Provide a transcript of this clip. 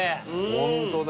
ホントだ。